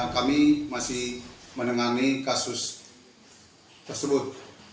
kami masih menengani kasus tersebut